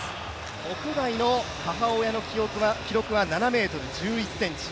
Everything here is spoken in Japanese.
屋内の母親の記録が７ｍ１１ｃｍ。